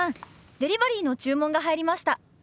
デリバリーの注文が入りました。